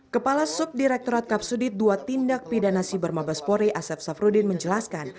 kepala subdirektorat kapsudit dua tindak pidanasi bermabas pore asaf safrudin menjelaskan